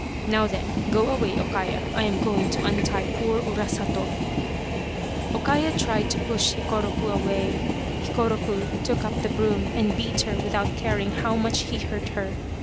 Now then go away O Kaya I am going to untie poor Urasato !" O Kaya tried to push Hikoroku away. Hikoroku took up the broom and beat her without caring how much he hurt her.